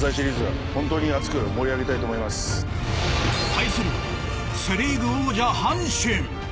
対するはセ・リーグ王者阪神。